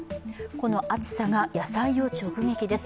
この暑さが野菜を直撃です。